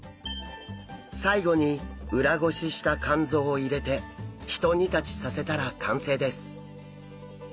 最後に裏ごしした肝臓を入れてひと煮立ちさせたら完成です。